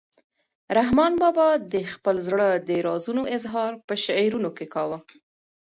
رحمان بابا د خپل زړه د رازونو اظهار په شعرونو کې کاوه.